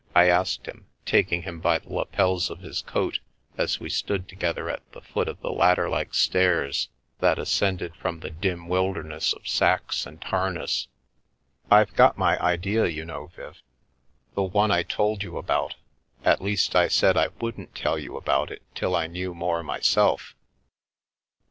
" I asked him, taking him by the lapels of his coat as we stood together at the foot of the ladderlike stairs that ascended from the dim wilderness of sacks and harness. " I've got my idea, you know, Viv. The one I told you about — at least, I said I wouldn't tell you about it till I knew more myself."